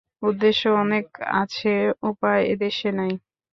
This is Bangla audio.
উদ্দেশ্য অনেক আছে, উপায় এদেশে নাই।